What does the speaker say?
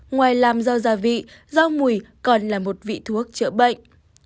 ngoài làm rau gia vị rau mùi còn là một vị thuốc chữa bệnh